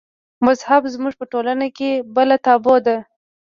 مذهب زموږ په ټولنه کې بله تابو ده.